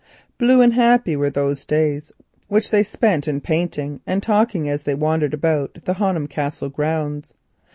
Serene and happy were those days which they spent in painting and talking as they wandered about the Honham Castle grounds.